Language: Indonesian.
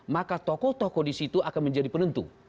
maka tokoh tokoh disitu akan menjadi penentu